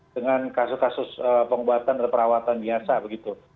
dengan kasus kasus pengobatan atau perawatan biasa begitu